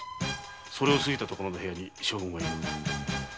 それを過ぎたところの部屋に将軍がいる。